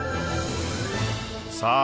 さあ